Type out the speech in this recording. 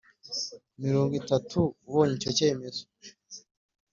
Mirongo itatu ubonye icyo cyemezo